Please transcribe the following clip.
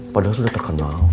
padahal sudah terkenal